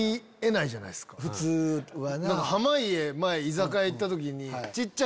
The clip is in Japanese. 濱家前居酒屋行った時に。